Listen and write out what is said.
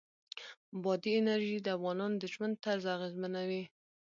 بادي انرژي د افغانانو د ژوند طرز اغېزمنوي.